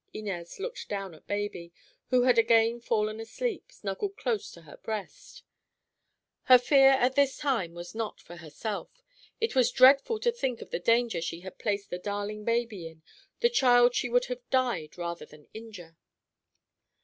Inez looked down at baby, who had again fallen asleep, snuggled close to her breast. Her fear at this time was not for herself. It was dreadful to think of the danger she had placed the darling baby in—the child she would have died rather than injure.